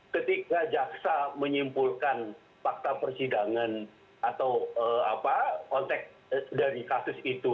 ketika jaksa menyimpulkan fakta persidangan atau kontek dari kasus itu